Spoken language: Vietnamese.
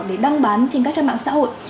để đăng bán trên các trang mạng xã hội